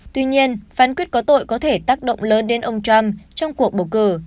tuy nhiên phán quyết có tội có thể tác động lớn đến ông trump trong cuộc bầu cử